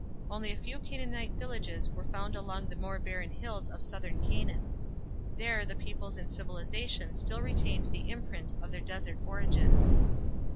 Only a few Canaanite villages were found along the more barren hills of Southern Canaan. There the peoples and civilization still retained the imprint of their desert origin.